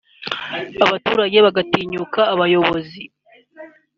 abaturage bagatinyuka abayobozi